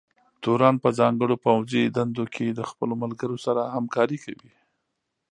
تورن په ځانګړو پوځي دندو کې د خپلو ملګرو سره همکارۍ کوي.